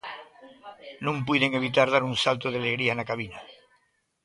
Non puiden evitar dar un salto de alegría na cabina.